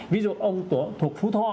ví dụ ông thuộc phú thọ